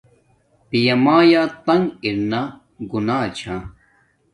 پیامایا تنگ ارانا گناہ چھا